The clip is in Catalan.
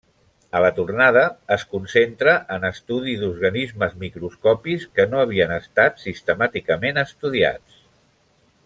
A la tornada es concentra en estudis d'organismes microscòpics, que no havien estat sistemàticament estudiats.